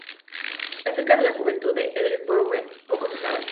Acerca de la juventud de Hendrick Brouwer, poco se sabe.